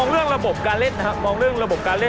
เรื่องระบบการเล่นนะครับมองเรื่องระบบการเล่น